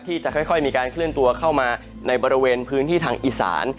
ที่จะค่อยมีการเคลื่อนตัวเข้ามาในบริเวณพื้นที่ทางอีสาน